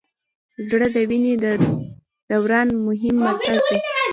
زړه د وینې د دوران مهم مرکز دی.